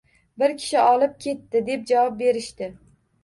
Bir kishi olib ketdi, deb javob berishdi